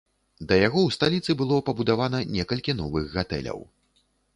Да яго ў сталіцы было пабудавана некалькі новых гатэляў.